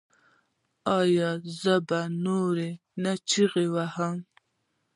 ایا زه به نور نه چیغې وهم؟